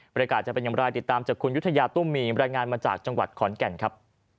จะเป็นอย่างไรติดตามจากคุณยุธยาตุ้มมีรายงานมาจากจังหวัดขอนแก่นครับ